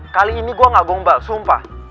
kali ini gue gak bombal sumpah